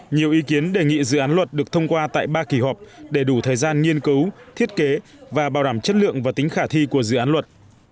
nhiều ý kiến đề nghị dự án luật được thông qua tại ba kỳ họp để đủ thời gian nghiên cứu thiết kế và bảo đảm chất lượng và tính khả thi của dự án luật